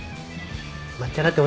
抹茶ラテ